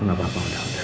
nggak apa apa udah udah